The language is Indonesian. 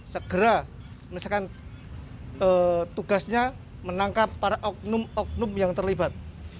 segera misalkan tugasnya menangkap para oknum oknum yang terlibat